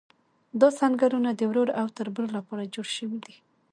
دا سنګرونه د ورور او تربور لپاره جوړ شوي دي.